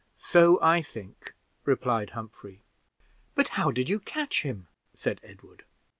"So I think," replied Humphrey. "But how did you catch him?" said Edward.